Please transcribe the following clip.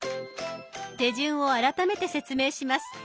手順を改めて説明します。